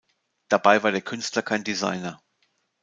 Dabei war der Künstler kein Designer.